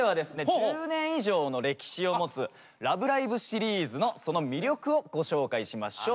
１０年以上の歴史を持つ「ラブライブ！」シリーズのその魅力をご紹介しましょう。